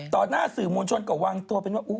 ต่อหน้าสื่อโมชนกับวางตัวเป็นว่า